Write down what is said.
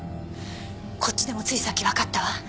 こっちでもついさっきわかったわ。